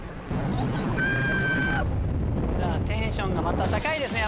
テンションがまた高いですね